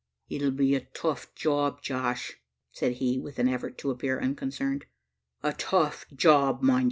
"It'll be a tough job, Josh," said he, with an effort to appear unconcerned "a tough job, mind ye."